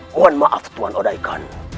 mohon maaf tuan odaikan